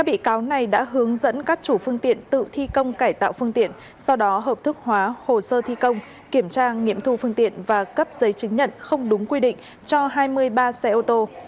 các bị cáo này đã hướng dẫn các chủ phương tiện tự thi công cải tạo phương tiện sau đó hợp thức hóa hồ sơ thi công kiểm tra nghiệm thu phương tiện và cấp giấy chứng nhận không đúng quy định cho hai mươi ba xe ô tô